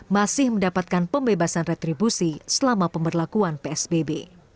masih mendapatkan pembebasan retribusi selama pemberlakuan psbb